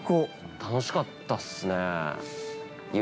◆楽しかったっすねー。